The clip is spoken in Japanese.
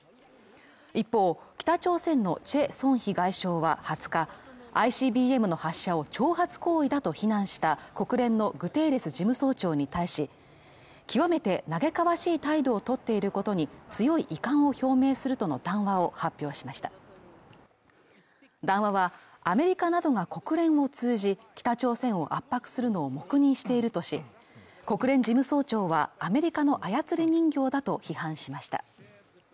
一方北朝鮮のチェ・ソンヒ外相は２０日ＩＣＢＭの発射を挑発行為だと非難した国連のグテーレス事務総長に対し極めて嘆かわしい態度を取っていることに強い遺憾を表明するとの談話を発表しました談話はアメリカなどが国連を通じ北朝鮮を圧迫するのを黙認しているとし国連事務総長はアメリカの操り人形だと批判しました